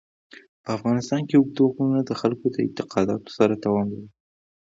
په افغانستان کې اوږده غرونه د خلکو د اعتقاداتو سره تړاو لري.